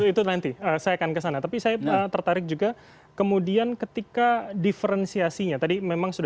itu nanti saya akan kesana tapi saya tertarik juga kemudian ketika diferensiasinya tadi memang sudah